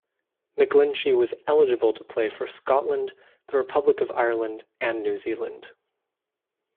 McGlinchey was eligible to play for Scotland, the Republic of Ireland and New Zealand.